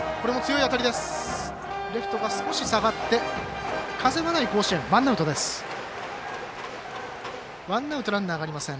レフトが少し下がって風のない甲子園ワンアウト、ランナーありません。